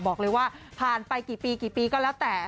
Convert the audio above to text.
บอกเลยว่าผ่านไปกี่ปีกี่ปีก็แล้วแต่